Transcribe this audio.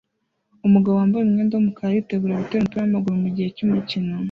Umugabo wambaye umwenda wumukara aritegura gutera umupira wamaguru mugihe cyumukino